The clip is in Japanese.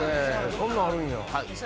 そんなんあるんや。